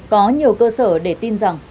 có nhiều cơ sở để tin rằng